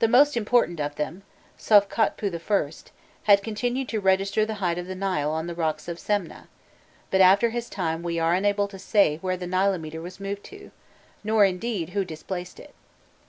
The most important of them, Sovkhotpu I., had continued to register the height of the Nile on the rocks of Semneh, but after his time we are unable to say where the Nilometer was moved to, nor, indeed, who displaced it.